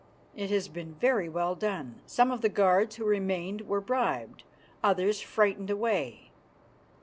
It has been very well done. Some of the guards who remained were bribed, others frightened away.